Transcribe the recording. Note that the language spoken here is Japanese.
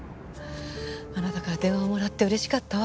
あなたから電話をもらって嬉しかったわ。